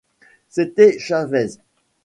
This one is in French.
C'était Chávez.